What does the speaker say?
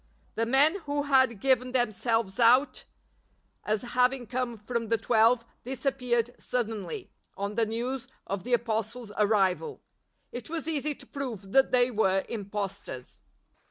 The men who had given themselves out as " having come from the Twelve " disappeared suddenly " STRENGTH IN INFIRMITY " 83 on the news of the Apostle's arrival; it was easy to prove that they were impostors.